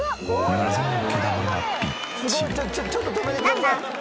すごいちょっと止めてください。